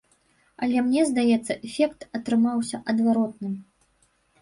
Але мне здаецца эфект атрымаўся адваротным.